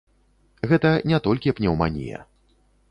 Гэта не толькі пнеўманія.